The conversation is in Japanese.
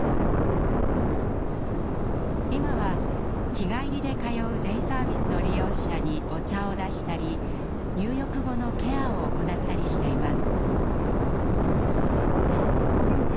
今は日帰りで通うデイサービスの利用者にお茶を出したり入浴後のケアを行ったりしています。